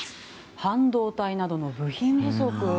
半導体などの部品不足。